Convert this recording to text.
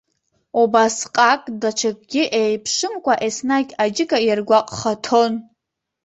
Убасҟак даҽакгьы еиԥшымкәа еснагь аџьыка иаргәаҟхаҭон.